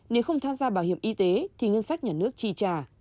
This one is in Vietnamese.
nếu không tham gia bảo hiểm y tế thì ngân sách nhà nước chi trả